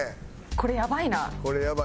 これやばいな！